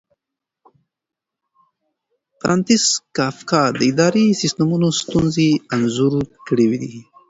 فرانتس کافکا د اداري سیسټمونو ستونزې انځور کړې دي.